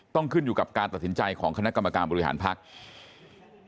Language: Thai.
ต้องขึ้นอยู่กับการตัดสินใจของคณะกรรมการบริหารภักดิ์